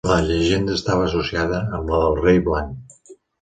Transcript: La llegenda estava associada amb la del rei Blanc.